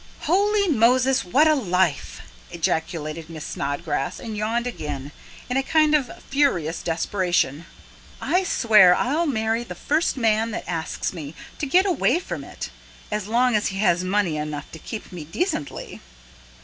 "Holy Moses, what a life!" ejaculated Miss Snodgrass, and yawned again, in a kind of furious desperation. "I swear I'll marry the first man that asks me, to get away from it. As long as he has money enough to keep me decently."